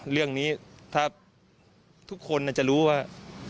เรื่องนี้ถ้าทุกคนจะรู้ว่า